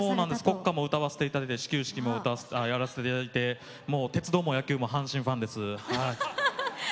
国歌を歌わせていただいて始球式もやらせていただいて鉄道も野球も阪神ファンです。